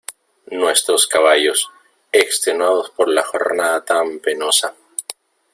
nuestros caballos, extenuados por jornada tan penosa ,